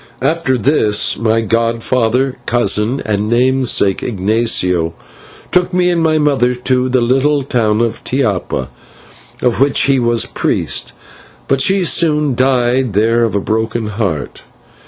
After this, my godfather, cousin, and namesake, Ignatio, took me and my mother to the little town of Tiapa, of which he was priest, but she soon died there of a broken heart.